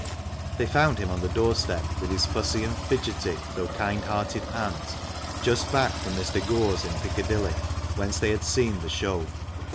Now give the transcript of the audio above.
They found him on the doorstep, with his fusssy and fidgety, though kind hearted aunt, just back from Mr. Gore's in Piccadilly, whence they had seen the show.